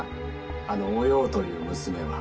あのおようという娘は？